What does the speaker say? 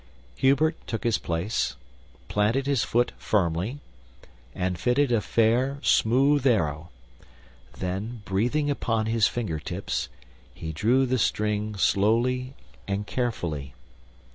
Hubert took his place, planted his foot firmly, and fitted a fair, smooth arrow; then, breathing upon his fingertips, he drew the string slowly and carefully.